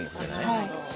はい。